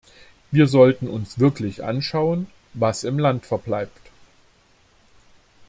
Wir sollten uns wirklich anschauen, was im Land verbleibt.